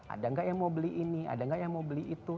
ada nggak yang mau beli ini ada nggak yang mau beli itu